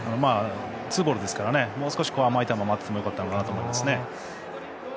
ツーボールですからもう少し甘い球を待っていてもよかったと思います。